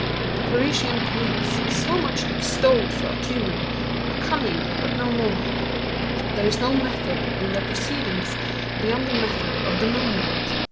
The Parisian police, so much extolled for acumen, are cunning, but no more. There is no method in their proceedings, beyond the method of the moment.